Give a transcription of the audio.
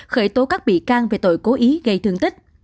khởi tố các bị can về tội cố ý gây thương tích